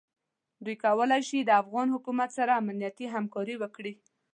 دوی کولای شي د افغان حکومت سره امنیتي همکاري وکړي.